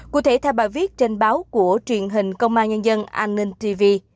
cụ thể theo bài viết trên báo của truyền hình công an nhân dân an ninh tv